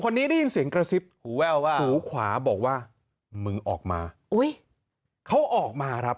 รอดชีวิตหวุดหวิดนะครับ